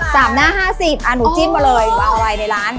๓หน้า๕๐อ่ะหนูจิ้มมาเลยเอาไว้ในร้าน